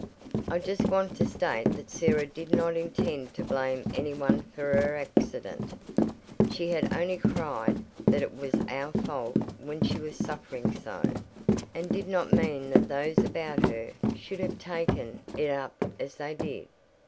"I just want to state that Sarah did not intend to blame anyone for her accident she had only cried that it was our fault when she was suffering so, and did not mean that those about her should have taken it up as they did.